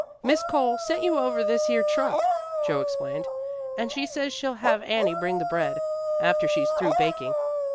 "Mis' Cole sent you over this here truck," Joe explained, "and she says she'll have Annie bring the bread, after she's through baking.